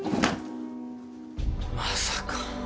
まさか。